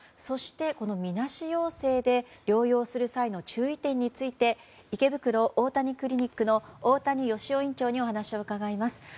そして、このみなし陽性で療養する際の注意点について池袋大谷クリニックの大谷義夫院長にお話を伺います。